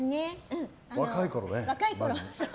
若いころね。